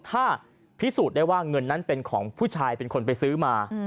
ถ้าพิสูจน์ได้ว่าเงินนั้นเป็นของผู้ชายเป็นคนไปซื้อมา